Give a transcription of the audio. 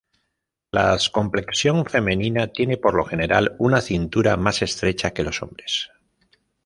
Las complexión femenina tiene, por lo general, una cintura más estrecha que los hombres.